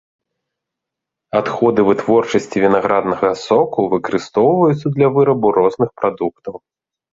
Адходы вытворчасці вінаграднага соку выкарыстоўваюцца для вырабу розных прадуктаў.